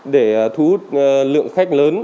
để thu hút lượng khách lớn